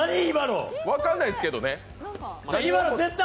分かんないですけどね。